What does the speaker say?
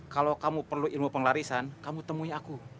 kalau kamu perlu ilmu pengelarisan kamu temui aku